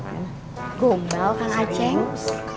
gumbal kang aceh